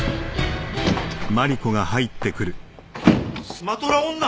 スマトラ女！？